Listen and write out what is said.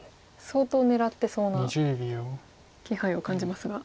相当狙ってそうな気配を感じますが。